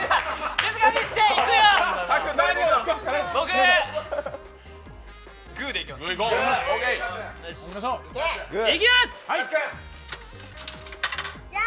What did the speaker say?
静かにして、いくよ！